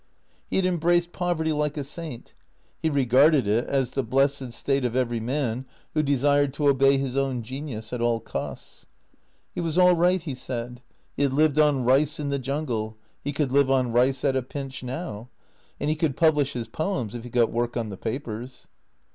He had embraced Poverty like a saint. He regarded it as the blessed state of every man who desired to obey his own genius at all costs. He was all right, he said. He had lived on rice in the jungle. He could live on rice at a pinch now. And he could publish his poems if he got work on the papers.